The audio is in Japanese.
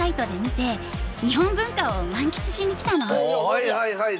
はいはいはい。